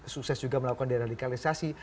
sukses juga melakukan deradikalisasi